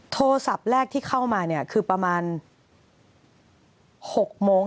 โทรศัพท์แรกที่เข้ามาเนี่ยคือประมาณ๖โมง